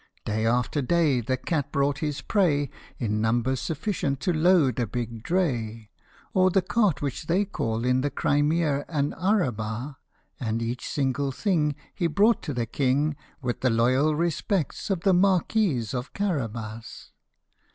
Day after day the cat brought his prey In numbers sufficient to load a big dray, Or the cart which they call in the Crimea an arabah ; And each single thing He brought to the King " With the loyal respects of the Marquis of Carabas."